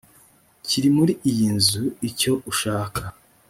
kiri muri iyi nzu icyo ushaka